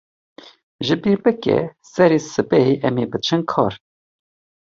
Ji bîr bike, serê sibehê em ê biçin kar.